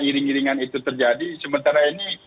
iring iringan itu terjadi sementara ini